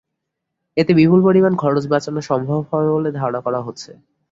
এতে বিপুল পরিমাণ খরচ বাঁচানো সম্ভব হবে বলে ধারণা করা হচ্ছে।